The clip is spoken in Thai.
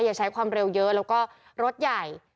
อย่าใช้ความเร็วเยอะแล้วก็รถใหญ่